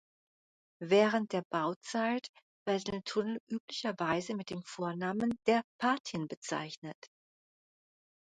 Während der Bauzeit werden Tunnel üblicherweise mit dem Vornamen der Patin bezeichnet.